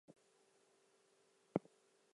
It became strictly an Anscocolor processor.